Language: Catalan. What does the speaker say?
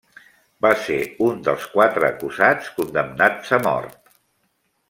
Va ser un dels quatre acusats condemnats a mort.